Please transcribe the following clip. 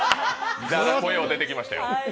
声が出てきましたよ。